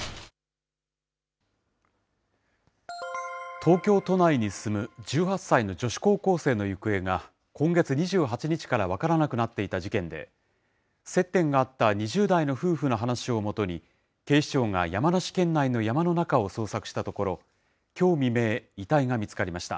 東京都内に住む１８歳の女子高校生の行方が今月２８日から分からなくなっていた事件で、接点があった２０代の夫婦の話をもとに、警視庁が山梨県内の山の中を捜索したところ、きょう未明、遺体が見つかりました。